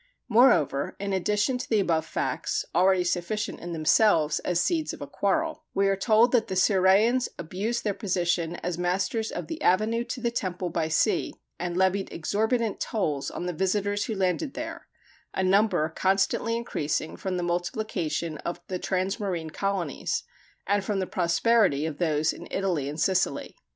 Moreover, in addition to the above facts, already sufficient in themselves as seeds of quarrel, we are told that the Cirrhæans abused their position as masters of the avenue to the temple by sea, and levied exorbitant tolls on the visitors who landed there a number constantly increasing from the multiplication of the transmarine colonies, and from the prosperity of those in Italy and Sicily.